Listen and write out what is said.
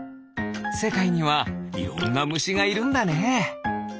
せかいにはいろんなむしがいるんだね。